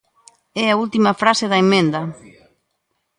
É a última frase da emenda.